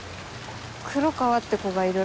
黒川って子がいる。